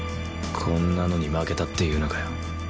こんなのに負けたっていうのかよ